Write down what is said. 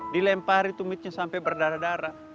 dilempari tumitnya sampai berdarah darah